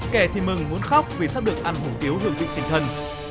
kẻ thì mừng muốn khóc vì sắp được ăn hủ tiếu hưởng định tinh thần